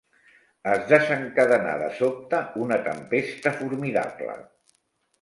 Es desencadenà de sobte una tempesta formidable.